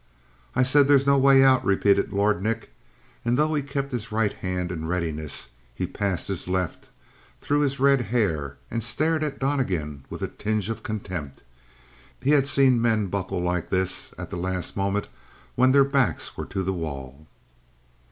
"I said there was no way out," repeated Lord Nick, and though he kept his right hand in readiness, he passed his left through his red hair and stared at Donnegan with a tinge of contempt; he had seen men buckle like this at the last moment when their backs were to the wall.